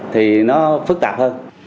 thì nó phức tạp hơn